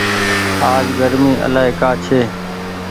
آج گرمي الآئي ڪآ ڇي۔